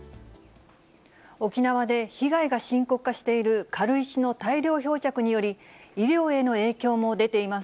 沖縄で被害が深刻化している軽石の大量漂着により、医療への影響も出ています。